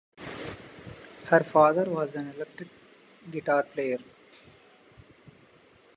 Her father was an electric guitar player.